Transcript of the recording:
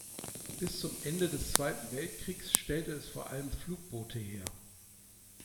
Bis zum Ende des Zweiten Weltkriegs stellte es vor allem Flugboote her.